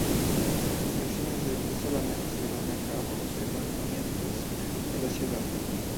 Las elecciones directas solamente se llevaron a cabo los ayuntamientos y de la ciudad.